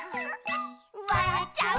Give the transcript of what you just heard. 「わらっちゃう」